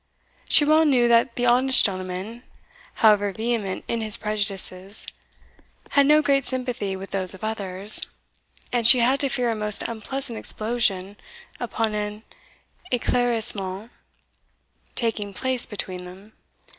She well knew that the honest gentleman, however vehement in his prejudices, had no great sympathy with those of others, and she had to fear a most unpleasant explosion upon an e'claircissement taking place between them.